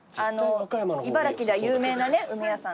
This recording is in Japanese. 茨城では有名なね梅屋さん。